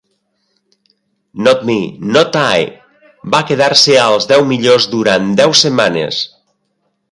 "Not me, not I" va quedar-se als deu millors durant deu setmanes.